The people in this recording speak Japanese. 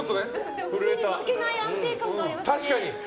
でも、負けない安定感がありましたね。